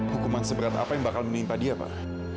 hukuman seberat apa yang bakal menimpa dia pak